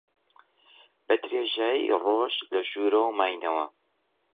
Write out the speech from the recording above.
بە درێژایی ڕۆژ لە ژوورەوە ماینەوە.